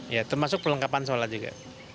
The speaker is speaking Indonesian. ya termasuk kelengkapan sholat juga